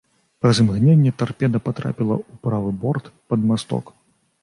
Праз імгненне тарпеда патрапіла ў правы борт пад масток.